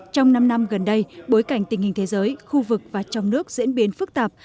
trong năm năm gần đây bối cảnh tình hình thế giới khu vực và trong nước diễn biến phức tạp